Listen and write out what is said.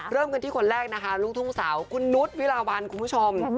เริ่มกันที่คนแรกนะคะลูกทุ่งสาวคุณนุษย์วิลาวันคุณผู้ชม